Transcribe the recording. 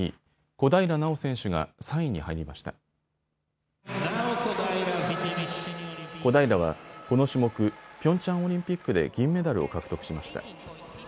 小平はこの種目、ピョンチャンオリンピックで銀メダルを獲得しました。